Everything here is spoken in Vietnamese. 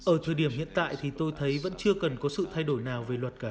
ở thời điểm hiện tại thì tôi thấy vẫn chưa cần có sự thay đổi nào về luật cả